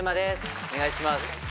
お願いします。